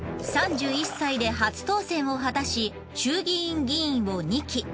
３１歳で初当選を果たし衆議院議員を２期